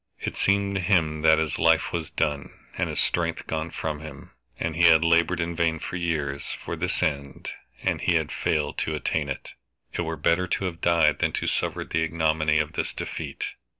It seemed to him that his life was done, and his strength gone from him. He had labored in vain for years, for this end, and he had failed to attain it. It were better to have died than to suffer the ignominy of this defeat.